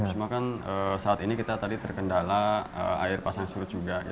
cuma kan saat ini kita tadi terkendala air pasang surut juga